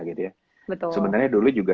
gitu ya sebenarnya dulu juga